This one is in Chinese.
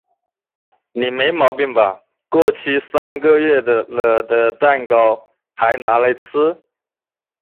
你没毛病吧？过期三个月了的蛋糕嗨拿来吃？